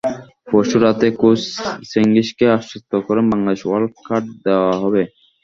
পরশু রাতে কোই চেঙ্গিসকে আশ্বস্ত করেন, বাংলাদেশকে ওয়াইল্ড কার্ড দেওয়া হবে।